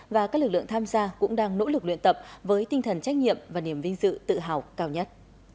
và các lực lượng tham gia cũng đang nỗ lực luyện tập với tinh thần trách nhiệm và niềm vinh dự tự hào cao nhất